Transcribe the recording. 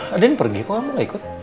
ada yang pergi kok kamu gak ikut